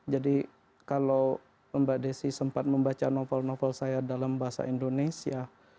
jadi kalau mbak desi sempat membaca novel novel saya dalam bahasa indonesia